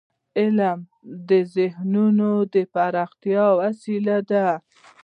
علم د ذهنونو د پراختیا وسیله ده.